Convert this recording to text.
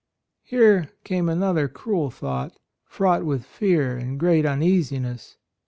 Here came another cruel thought, fraught with fear and great uneasiness.